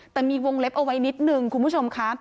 แต่มีวงเล็บเอาไว้นิดนึงคุณผู้ชมค่ะ